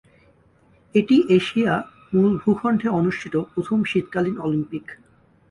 এটি এশিয়া মূল ভূখণ্ডে অনুষ্ঠিত প্রথম শীতকালীন অলিম্পিক।